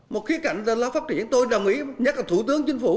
một khía cạnh là phát triển tôi đồng ý nhắc là thủ tướng chính phủ